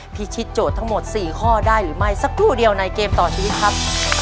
พิชิตโจทย์ทั้งหมด๔ข้อได้หรือไม่สักครู่เดียวในเกมต่อชีวิตครับ